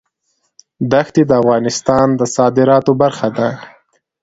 دښتې د افغانستان د صادراتو برخه ده.